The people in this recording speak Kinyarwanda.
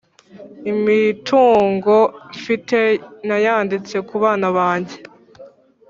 Imitungo mfite nayanditse kubana bange